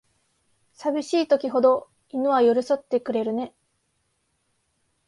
さびしい時ほど犬は寄りそってくれる